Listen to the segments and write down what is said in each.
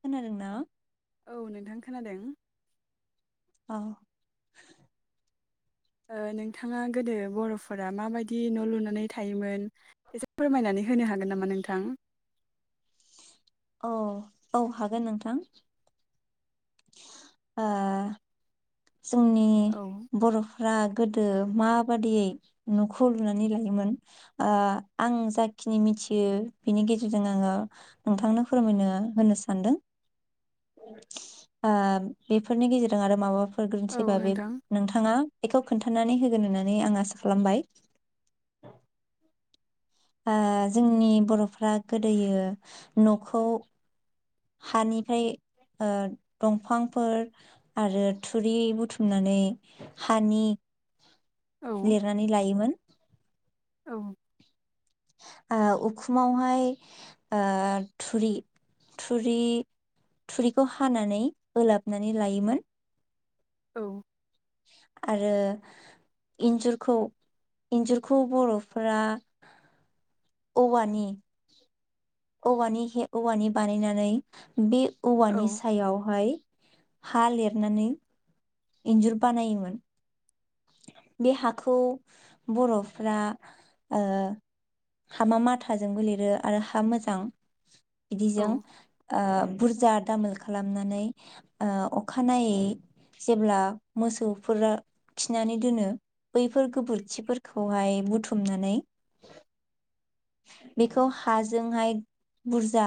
खोनादोंना? औ नोंथां खोनादों। अ‌। ओ नोंथाङा गोदो बर'फोरा माबायदि न' लुनानै थायोमोन एसे फोरमायनानै होनो हागोन नामा नोंथां? अ औ हागोन नोंथां। ओ जोंनि औ बरफ्रा गो दो माबादियै नखौ लुनानै लायोमोन ओ आं जाखिनि मिथियो बिनि गेजेरजों आंङो नोंथांनो फोरमायनो होनो सानदों। ओ बेफोरनि गेजेरजों आरो माबाफो र औ गोरोनथिबा बे नोंथां नोंथाङा बेखौ खोन्थानानै होगोन होननानै आं आसा खालामबाय। ओ जोंनि बरफ्रा गोदोयो नखौ हानिफ्राय ओ दंफांफोर आरो थुरि बुथुमनानै हानि औ लिरनानै लायोमोन। औ। ओ उखुमावहाय ओ थुरि थुरि थुरिखौ हानानै होलाबनानै लायोमोन। औ। आरो इन्जुरखौ इन्जुरखौ बरफोरा औवानि औवानि हेब औवानि बानायनानै बे औवानि औ सायावहाय हा लेरनानै इन्जुर बानायोमोन। बे हाखौ बरफ्रा ओ हामा माथाजोंबो लिरो आरो हा मोजां औ बिदिजों ओ बुरजा दामोल खालामनानै ओ अखानायै जेब्ला मोसौफोरा खिनानै दोनो बैफोर गोबोरखिफोरखौहाय बुथुमनानै बेखौ हाजोंहाय बुरजा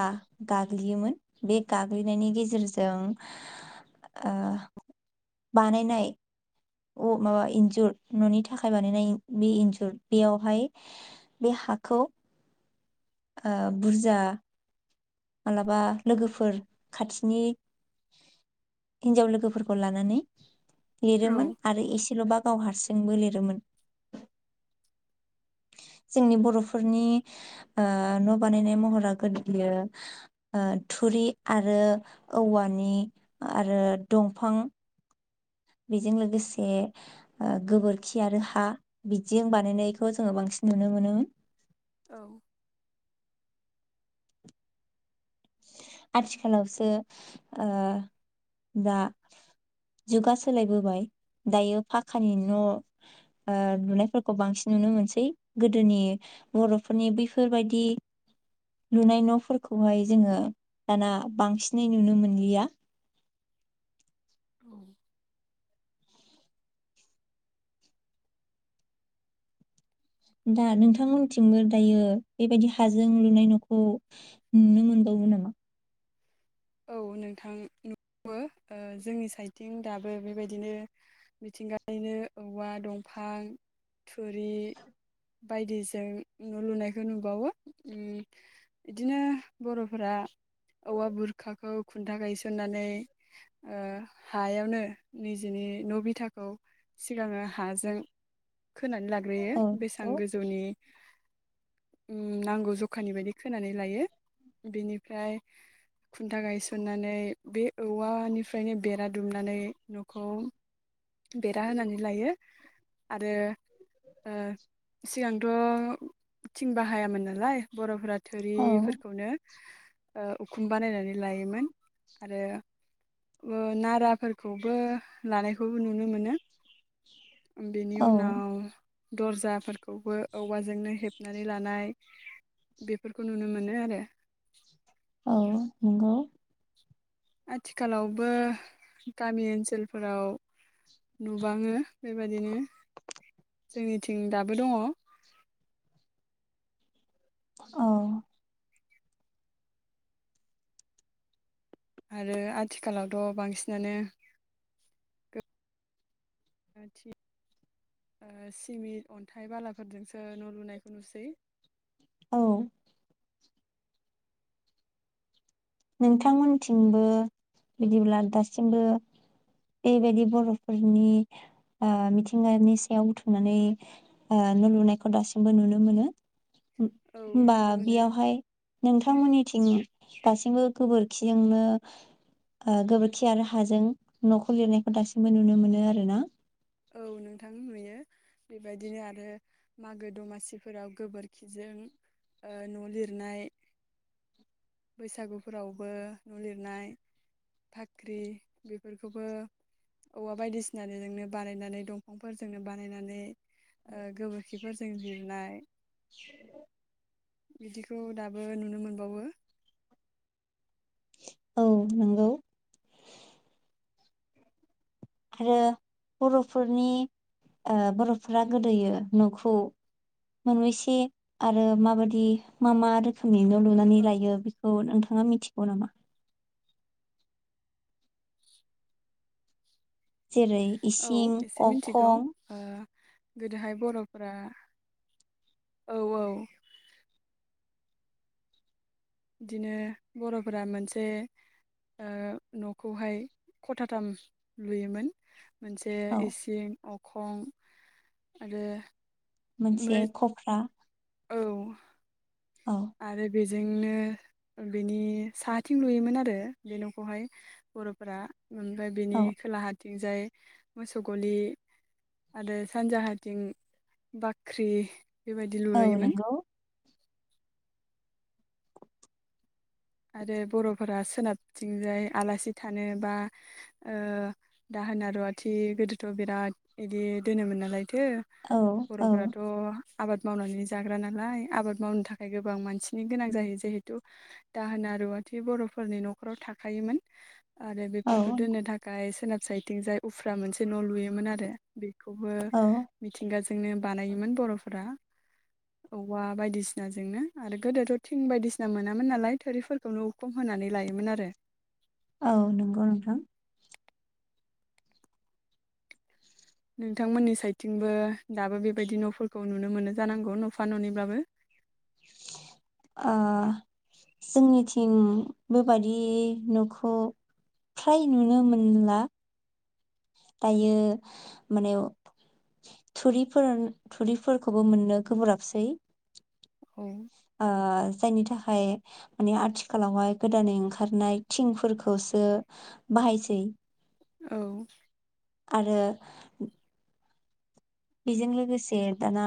गाग्लियोमोन। बे गाग्लिनायनि गेजेरजों ओ बानायनाय अ माबा इन्जुर ननि थाखाय बानायनाय बे इन्जुर बेयावहाय बे हाखौ ओ बुरजा मालाबा लोगोफोर खाथिनि हिनजाव लोगोफोरखौ लानानै लिरोमोन। औ आरो एसेलबा गाव हारसिंबो लिरोमोन। जोंनि बरफोरनि ओ न'श बानायनाय महरा गोलैयो ओ थुरि आरो औवानि आरो दंफां बेजों लोगोसे गोबोरखि आरो हा बिदिजों बानायनायखौ जोंङो बांसिन नुनो मोनोमोन। औ। आथिखालावसो ओ दा जुगा सोलायबोबाय दायो फाखानि न लुनायफोरखौओ बांसिन नुनो मोनसै गोदोनि बरफोरनि बैफोरबायाददि लुनाय नफोरखौहाय। जोंङो दाना बांसिनै नुनो मोनलिया। औ। दा नोंथांमोनथिंबो दायो बेबायदि हाजों लुनाय नखौ नुनो मोनबावो नामा। औ नोंथां नुो जोंनि साइडथिं दाबो बेबायदिनो मिथिंगायनो औवा दंफां थुरि बायदिजों न लुनायखौ नुबावो बिदिनो बरफोरा औवा बुर। खाखौ खुन्था गायसननानै हायावनो निजिनि न बिथाखौ। सिगांङो हाजों। खोनानै लाग्रोयो औ बेसेबां नंगौ गोजौनि। नांगौ जखानि बायदि खोनानै लायो बेनिफ्राय। खुन्था गायसननानै बे औवानिफ्रायनो बेरा दुमनानै। नखौ। बेरा होनानै लायो, आरो ओ सिगांथ। थिं बाहायामोन नालाय बरफोरा। औ थोरिफोरखौनोओ। उखुम बानायनानै लायोमोन आरो नाराफोरखौबो लानाय। खौबो नुनो मोनो। बेनि औ उनाव। दर्जाफोरखौबो औवाजोंनो हेबनानै लानाय बेफोरखौ नुनो मोनो आरो। औ नंगौ। आथिखालावबो, गामि ओनसोलफोराव नुबाङो बेबायदिनो जोंनिथिं दाबो दङ। औ। आरो आथिखालावथ बांसिनानो। दा थिग ओ सिमिट अन्थाइ बालाफोरजोंसो न लुनायखौ नुसै। औ। नोंथांमोनथिंबो, बिदिब्ला दासिमबो बेबायदि बरफोरनि मिथिंगानि सायाव बुथुमनानै न लुनायखौ दासिमबो नुनो मोनो। औ होनबा नुनो मोनो बेयावहाय नोंथां। थांथमोननिथिं दासि। बो गोबोरखिजोंनो गोबोरखि आरो हाजों नखौ लिरनायखौ दासिमबो नुनो मोनो आर ना। औ नोंथां नुयो, बेबायदिनो आरो मागो दमासिफोराव गोबोरखिजों ओ न लिरनाय, बैसागुफोरावबो न लिरनाय, फाख्रि बेफोरखौबो औवा बायदिसिना जोंनो। बानायनानै दंफांफोरजोंनो बानायनानै। गोबोरखिफोरजों लिरनाय। [inaudible] बिदिखौ दाबो नुनो मोनबावो। औ नंगौ। आरो बरफोरनि बरफोरा गोदोयो नखौ मोनबैसे आरो माबायदि मा मा रोखोमनि न लुनानै औ लायो बेखौ नोंथां थाङा मिथिगौ नामा? जेरै औ इसिं एसे मिथिगौ अखं। ओ गोदोहाय बर'फोरा औ औ। बिदिनो बर'फोरा मोनसे ओ न'खौहाय खथाथाम लुयोमोन। मोनसे औ इसिं अ खं आरो मोनसे मो खफ्रा औ औ आरो बे जोंनो, बेनि साहाथिं लुयोमोन आरो बे न'खौहाय बर'फोरा। ओमफ्राय बिनि औ खोलाहाथिंजाय। मोसौ गलि आरो सानजाहाथिं बाख्रि। बेबायदि औ लुरुयोमोन। नंगौ आरो बर'फोरा सोनाबथिंजाय आलासि थानो बा, ओ दाहोना रुवाथि गोदोथ' बिराद बिदि दोनोमोन नालाय। थो औ औ बर'फोराथ' आबाद मावनानै जाग्रा नालाय आबाद मावनो थाखाय गोबां मानसिनि गोनां जायो जिहेथु दाहोना रुवाथि बर'फोरनि न'खराव थाखायोमोन। आरो औ बेफोरखौ दोननो थाखाय सोनाब साइतथिं जाय उफ्रा मोनसे न'लुयोमोन आरो बे खौबो औ मिथिंगाज जोंनो बानायोमोन बर'फोरा औवा बायदिसिनाजोंनो आरो गोदोथ' थिं बायदिसिना मोनामोन नालाय थोरिफोरखौनो उकुम होनानै लायोमोन आरो औ नंगौ नोंथां। नोंथांमोननि साइडथिंबो दाबो बेबायदि न'फोरखौ नुनो मोनो जानांगौ न'फा न'निब्लाबो ओ जोंनिथिं बेबादि न'खौ फ्राय नुनो मोनला दायो माने थुरिफोर थुरिफोरखौबो मोननो गोब्राबसै। औ ओ जायनि थाखाय माने आथिखालावहाय गोदानै ओंखारनाय थिंफोरखौसो बाहायसै। औ आरो बेजों लोगोसे दाना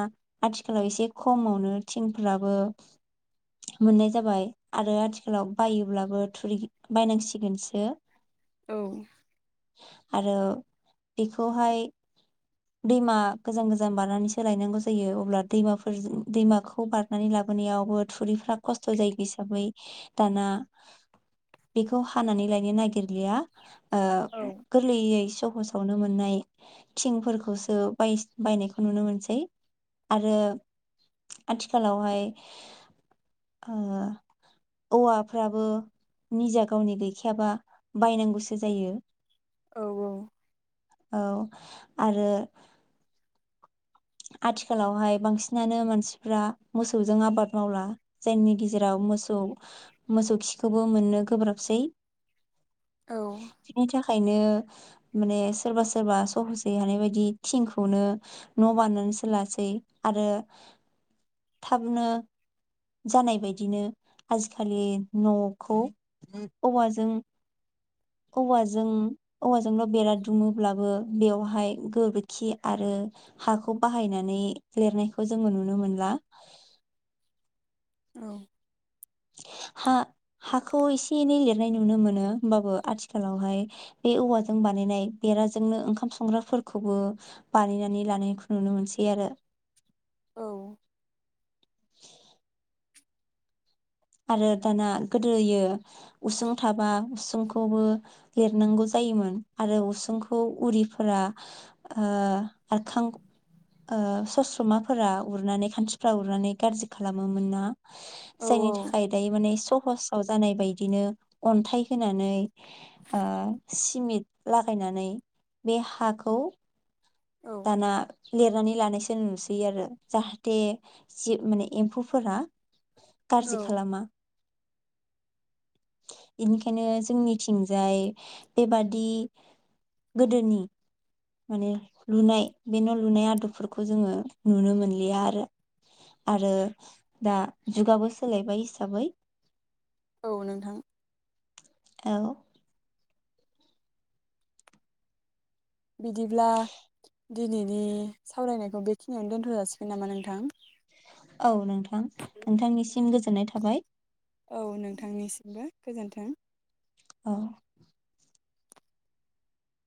आथिखालाव एसे खमावनो थिंफोराबो मोननाय जाबाय आरो आथिखालाव बायोब्लाबो थुरि बायनांसिगोनसो। औ आरो बेखौहाय दैमा गोजान गोजान बारनानैसो लायनांगौ जायो अब्ला दैमाफोर दैमाखौ बारनानै लाबोनायावबो थुरिफ्रा कस्थ' जायो हिसाबै दाना बेखौ हानानै लायनो नागिरलिया। ओ औ गोरलैयै सहस आवनो मोननाय थिंफोरख खौसो बाइस बायनायखौ नुनो मोनसै आरो आथिखालावहाय ओ औवाफ्राबो निजा गावनि गैखायाबा बायनांगौसो जायो‌। औ औ औ आरो आथिखालावहाय बांसिनानो मानसिफ्रा मोसौजों आबाद मावला जायनि गेजेराव मोसौ मोसौ खिखोबो मोननो गोब्राबसै औ बिनि थाख खायनो माने सोरबा सोरबा सहसै हानाय बायदि थिंखौनो न'बानाय नासोलासै आरो थाबनो जानाय बायदिनो आजिखालि न'खौ औवाजों औवाजों औवाजोंल' बेरा दुमोब्लाबो बेवहाय गोबोरखि आरो हाखौ बाहायनानै लिरनायखौ जोङो नुनो मोनला। औ हा हाखौ एसे एनै लिरनाय नुनो मोनो होमबाबो आथिखालावहाय बे औवाजों बानायनाय बेराजोंनो ओंखाम संग्राफोरखौबो बानायनानै लानायखौ नुनो मोनसै आरो औ [unintelligible] आरो दाना गोदोयो उसुं थाबा उसुंख खौबो लिरनांगौ जायोमोन आरो उसुंखौ उरिफोरा ओ आरखां ओ सस्रमाफोरा उरनानै खानस्रिफ्रा उरनानै गाज्रि खालामोमोन ना जायनि थाख खाय दायो माने सहसाव जानाय बायदिनो अन्थाइ होनानै ओ सिमिट लागायनानै बे हाखौ औ दाना लिरनानै लानायसो नुसैयो आरो जाहाथे जि माने एम्फौफोरा गाज्रि खालामा बेनिखायनो जोंनिथिंजाय बेबादि गोदोनि माने लुनाय बे न'लुनाय आदबफोरखौ जोङो नुनो मोनलिया आरो औ आरो दा जुगाबो सोलायबाय हिसाबै औ नोंथां औ बिदिब्ला दिनैनि सावरायनायखौ बेखिनियावनो दोनथ जासिगोन नामा नोंथां औ नोंथां नोंथांनिसिम गो गोजोननाय थाबाय औ नोंथांनिसिमबो गोजोन्थों औ